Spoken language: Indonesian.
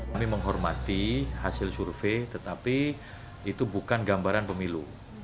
kami menghormati hasil survei tetapi itu bukan gambaran pemilu